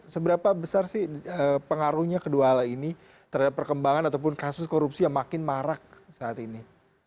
seberapa besar sih pengaruhnya kedua hal ini terhadap perkembangan ataupun kasus korupsi yang makin marak saat ini